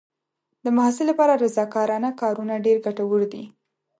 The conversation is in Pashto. د محصل لپاره رضاکارانه کارونه ډېر ګټور دي.